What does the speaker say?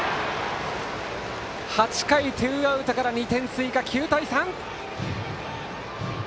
８回、ツーアウトから２点追加で９対３！